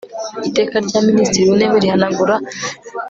Iteka rya Minisitiri w Intebe rihanagura